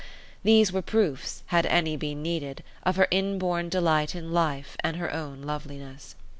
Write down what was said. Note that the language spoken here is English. These were proofs, had any been needed, of her inborn delight in life and her own loveliness.